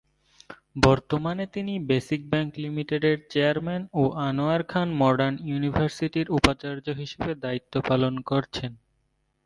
বর্তমানে তিনি basic bank লিমিটেডের চেয়ারম্যান ও আনোয়ার খান মডার্ন ইউনিভার্সিটির উপাচার্য হিসেবে দায়িত্ব পালন করছেন।